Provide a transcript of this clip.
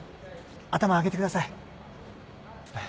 頭上げてください。